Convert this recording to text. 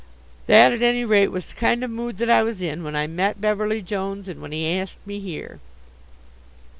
That at any rate was the kind of mood that I was in when I met Beverly Jones and when he asked me here.